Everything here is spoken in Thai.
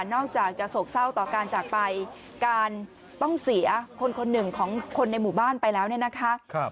อกจากจะโศกเศร้าต่อการจากไปการต้องเสียคนคนหนึ่งของคนในหมู่บ้านไปแล้วเนี่ยนะคะ